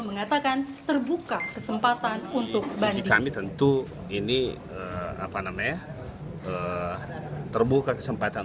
mengatakan terbuka kesempatan untuk bagi kami tentu ini apa namanya terbuka kesempatan